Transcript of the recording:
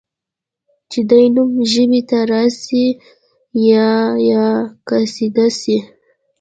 چي دي نوم ژبي ته راسي یا یا قصیده سي